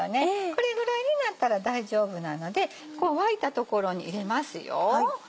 これぐらいになったら大丈夫なので沸いた所に入れますよ。